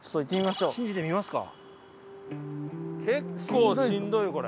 信じてみますか。